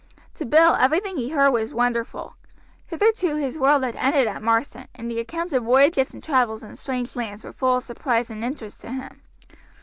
To Bill everything he heard was wonderful. Hitherto his world had ended at Marsden, and the accounts of voyages and travels in strange lands were full of surprise and interest to him.